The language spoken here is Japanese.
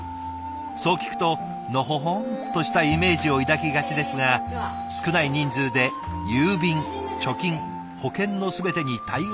そう聞くとのほほんとしたイメージを抱きがちですが少ない人数で郵便貯金保険の全てに対応しなくてはなりません。